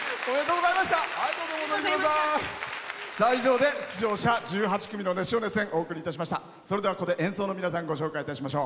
以上で出場者１８組の熱唱・熱演お送りいたしました。